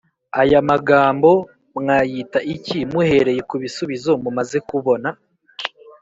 Aya magambo mwayita iki muhereye ku bisubizo mumaze kubona